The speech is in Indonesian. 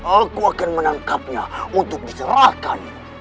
aku akan menangkapnya untuk diserahkan